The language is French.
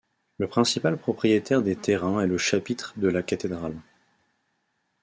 Le principal propriétaire des terrains est le chapitre de la cathédrale.